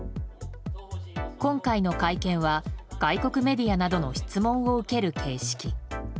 今回の会見は外国メディアなどの質問を受ける形式。